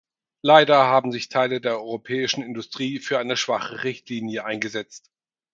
Leider haben sich Teile der europäischen Industrie für eine schwache Richtlinie eingesetzt.